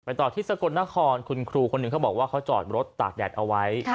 ต่อที่สกลนครคุณครูคนหนึ่งเขาบอกว่าเขาจอดรถตากแดดเอาไว้